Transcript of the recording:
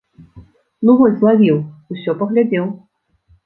Ну вось злавіў, усё паглядзеў.